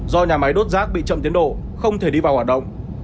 do nhà máy đốt rác bị chậm tiến độ không thể đi vào hoạt động